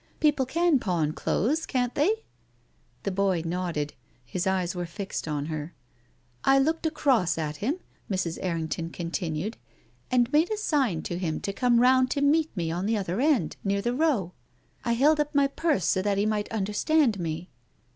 People can pawn clothes, can't they? " The boy nodded. His eyes were fixed on her. " I looked across at him," Mrs. Errington con tinued, "and made a sign to him to come round to meet me by the other end, near the Row. I held up my purse so that he might understand me."